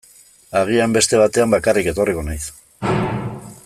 Agian beste batean bakarrik etorriko naiz.